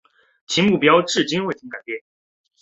其目标至今未曾改变。